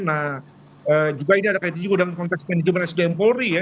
nah juga ini ada kaitan juga dengan konteks manajemen sdm polri ya